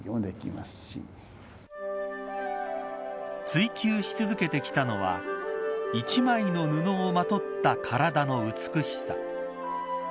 追及し続けてきたのは一枚の布をまとった体の美しさ。